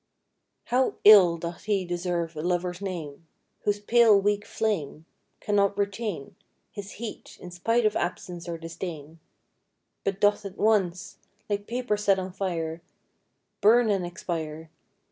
HOW ill doth lie deserve a Lover's name Whose pale weak flame Cannot retain His heat, in spite of absence or disdain ; But doth at once, like paper set on fire, Burn and expire